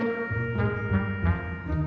alia gak ada ajak rapat